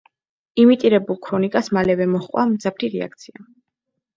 იმიტირებულ ქრონიკას მალევე მოჰყვა მძაფრი რეაქცია.